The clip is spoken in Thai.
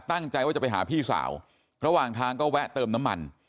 ตั้งใจว่าจะไปหาพี่สาวระหว่างทางก็แวะเติมน้ำมัน